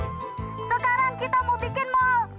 sekarang kita mau bikin mall